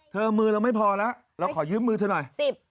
มือเราไม่พอแล้วเราขอยืมมือเธอหน่อย